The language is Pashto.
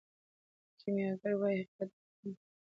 کیمیاګر وايي حقیقت باطني دی.